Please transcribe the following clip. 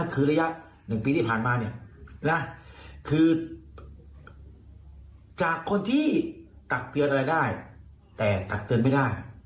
คือจากคนที่ตักเตือนอะไรได้แต่ตักเตือนไม่ได้